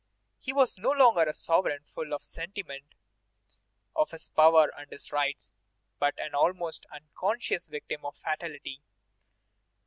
He was no longer a sovereign full of the sentiment of his power and his rights, but an almost unconscious victim of fatality.